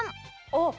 「あっ！